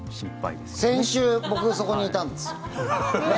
先週、僕そこにいたんですよね。